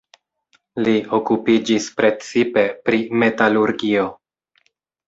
Li okupiĝis precipe pri metalurgio.